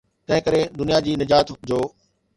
تنهنڪري دنيا جي نجات جو.